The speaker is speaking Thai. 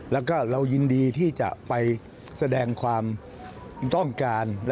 แล้วก็เรายินดีที่จะไปแสดงความต้องการ